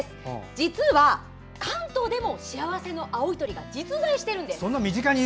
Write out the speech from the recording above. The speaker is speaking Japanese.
実は、関東でも「幸せの青い鳥」が実在しているんです。